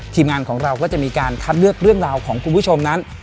ทีมงานของเราก็จะมีการคัดเลือกเรื่องราวของคุณผู้ชมนั้น